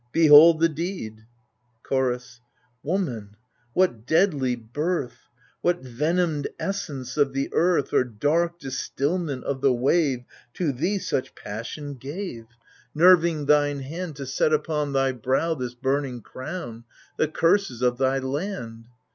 Behold the deed ! Chorus Woman, what deadly birth, What venomed essence of the earth Or dark distilment of the wave. To thee such passion gave, F 66 AGAMEMNON Nerving thine hand To set upon thy brow this burning crown, The curses of thy land